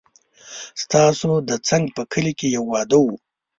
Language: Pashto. ستاسو د څنګ په کلي کې يو واده و